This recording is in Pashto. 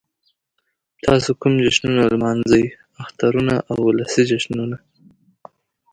تاسو کوم جشنونه نمانځئ؟ اخترونه او ولسی جشنونه